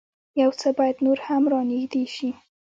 يو څه بايد نور هم را نېږدې شي.